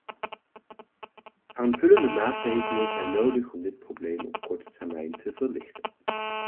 Aanvullende maatregelen zijn nodig om dit probleem op korte termijn te verlichten.